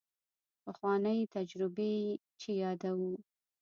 پخوانۍ تجربې چې یادوو.